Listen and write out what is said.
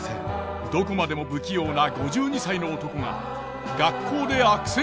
どこまでも不器用な５２歳の男が学校で悪戦苦闘。